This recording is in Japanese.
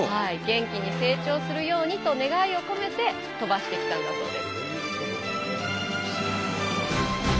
元気に成長するようにと願いを込めて飛ばしてきたんだそうです。